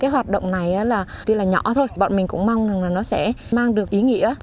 hoạt động này tuy là nhỏ thôi bọn mình cũng mong rằng nó sẽ mang được ý nghĩa